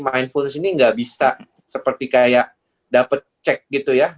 mindfulness ini tidak bisa seperti mendapatkan cek gitu ya